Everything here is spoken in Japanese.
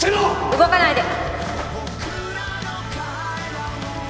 動かないで！